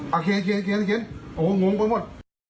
เอาเขียนโงงค์ไว้หมด